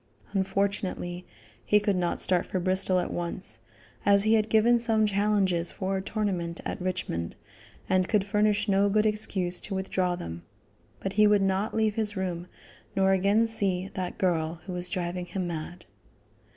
Unfortunately, he could not start for Bristol at once, as he had given some challenges for a tournament at Richmond, and could furnish no good excuse to withdraw them; but he would not leave his room, nor again see "that girl who was driving him mad."